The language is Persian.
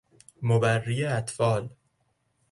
مبری اطفال